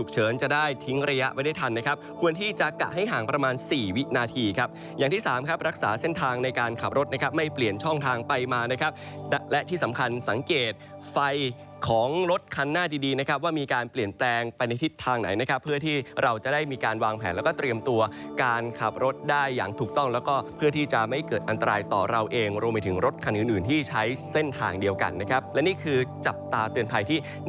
จะกะให้ห่างประมาณ๔วินาทีครับอย่างที่๓ครับรักษาเส้นทางในการขับรถนะครับไม่เปลี่ยนช่องทางไปมานะครับและที่สำคัญสังเกตไฟของรถคันหน้าดีนะครับว่ามีการเปลี่ยนแปลงไปในทิศทางไหนนะครับเพื่อที่เราจะได้มีการวางแผนแล้วก็เตรียมตัวการขับรถได้อย่างถูกต้องแล้วก็เพื่อที่จะไม่เกิดอันตรายต่อเราเองรวมไปถ